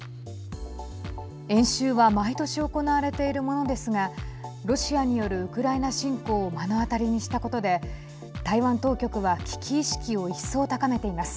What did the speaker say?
演習は毎年行われているものですがロシアによるウクライナ侵攻を目の当たりにしたことで台湾当局は危機意識を一層高めています。